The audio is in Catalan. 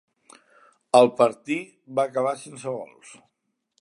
El partir va acabar sense gols.